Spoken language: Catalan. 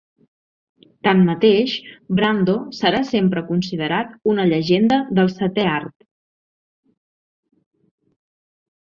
Tanmateix, Brando serà sempre considerat una llegenda del setè art.